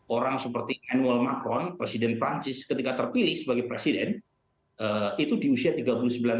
orang seperti annual macron presiden perancis ketika terpilih sebagai presiden itu di usia tiga puluh sembilan tahun